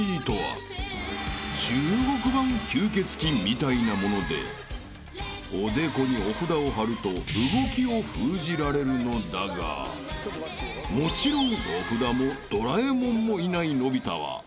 ［中国版吸血鬼みたいなものでおでこにお札を張ると動きを封じられるのだがもちろんお札もドラえもんもいないのび太は］